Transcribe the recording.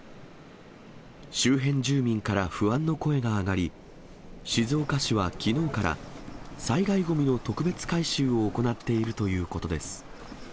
周辺住民から不安の声が上がり、静岡市はきのうから、災害ごみの特別回収を行っているということです。